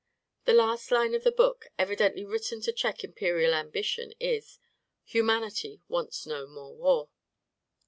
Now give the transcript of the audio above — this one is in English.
The last line of the book, evidently written to check imperial ambition, is: "Humanity wants no more war."